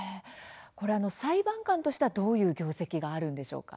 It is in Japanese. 裁判官としてはどういう業績があるんでしょうか。